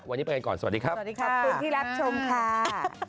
วันนี้ไปกันก่อนสวัสดีครับสวัสดีครับขอบคุณที่รับชมค่ะ